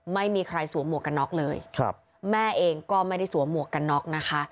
ไม่มีใครสวมหมวกกันน็อกเลยครับแม่เองก็ไม่ได้สวมหมวกกันน็อกนะคะ